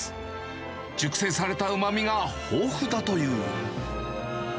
熟成されたうまみが豊富だという。